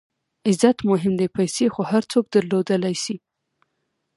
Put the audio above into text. عزت مهم دئ، پېسې خو هر څوک درلودلای سي.